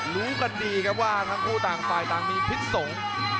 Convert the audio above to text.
รู้กับดีครับว่าทางผู้ด้านฝ่ายก็ตามีพิษสงฆ์